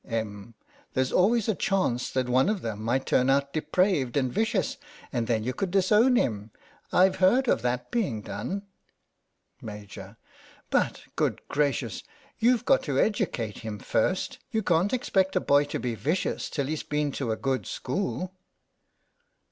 Em, : There's always a chance that one of them might turn out depraved and vicious, and then you could disown him. I've heard of that being done. Maj,: But, good gracious, you've got to no THE BAKER'S DOZEN educate him first. You can't expect a boy to be vicious till he's been to a good school.